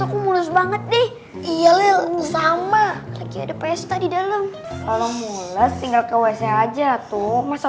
aku mulus banget nih iyalah sama lagi ada pesta di dalam kalau mulus tinggal ke wc aja tuh masa